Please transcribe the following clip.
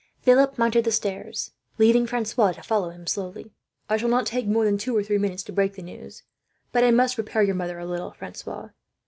Philip mounted the stairs, leaving Francois to follow him, slowly. "I shall not take more than two or three minutes to break the news, but I must prepare your mother a little, Francois.